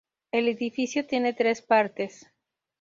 El edificio tiene tres partes.